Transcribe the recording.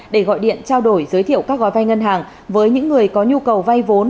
để gọi điện trao đổi giới thiệu các gói vay ngân hàng với những người có nhu cầu vay vốn